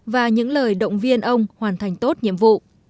và những lời động viên ông hoàn thành tốt nhiệm vụ